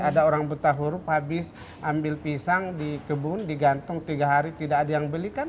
ada orang buta huruf habis ambil pisang di kebun digantung tiga hari tidak ada yang beli kan